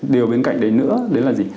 điều bên cạnh đấy nữa đấy là gì